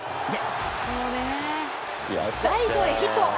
ライトへのヒット！